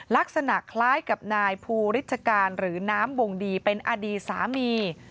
ลักษณะคล้ายกับนายภูริชการหรือน้ำวงดีเป็นอดีตสามี